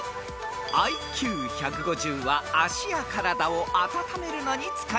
［ＩＱ１５０は足や体を温めるのに使います］